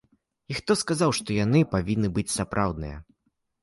І хто сказаў, што яны павінны быць сапраўдныя?